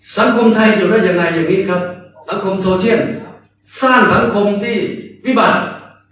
สังคมไทยอยู่ได้ยังไงอย่างนี้ครับสังคมโซเชียลสร้างสังคมที่วิบาก